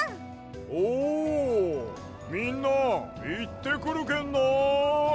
おみんないってくるけんな！